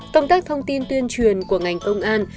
công tác thông tin tuyên truyền của ngành công an